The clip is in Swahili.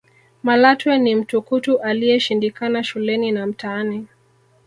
malatwe ni mtukutu aliyeshindikana shuleni na mtaani